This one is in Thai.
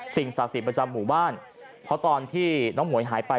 ซิ่งศาสิประจำหมู่บ้านเพราะตอนที่น้องหมวยหายไป